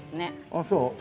ああそう？